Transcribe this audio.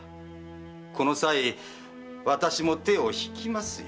この際私も手を引きますよ。